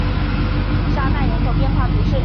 沙奈人口变化图示